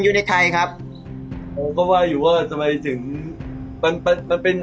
อยู่ในไทยครับผมก็ว่าอยู่ว่าทำไมถึงมันมันเป็น